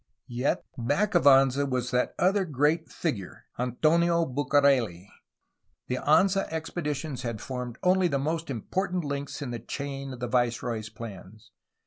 THE FOUNDING OF SAN FRANCISCO 315 Yet, back of Anza was that other great figure, Antonio Bucareli. The Anza expeditions had formed only the most important links in the chain of the viceroy's plans.